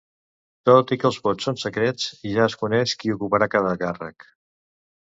Tot i que els vots són secrets, ja es coneix qui ocuparà cada càrrec.